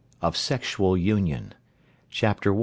OF SEXUAL UNION. CHAPTER I.